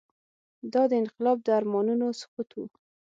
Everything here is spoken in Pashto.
دا د انقلاب د ارمانونو سقوط و.